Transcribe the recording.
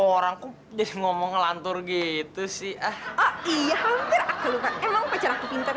orang jadi ngomong ngelantur gitu sih oh iya hampir aku lupa emang pacar aku pinter